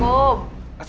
buangin aja nih